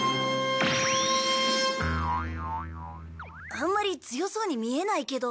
あんまり強そうに見えないけど。